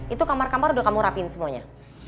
itu kamar kamar udah kamu rapin semuanya